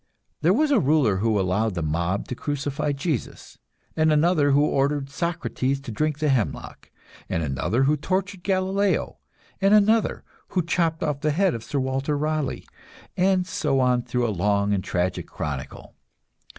There was a ruler who allowed the mob to crucify Jesus, and another who ordered Socrates to drink the hemlock, and another who tortured Galileo, and another who chopped off the head of Sir Walter Raleigh and so on through a long and tragic chronicle.